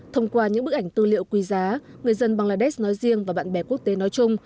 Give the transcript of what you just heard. thông qua những bức ảnh tư liệu quý giá người dân bangladesh nói riêng và bạn bè quốc tế nói chung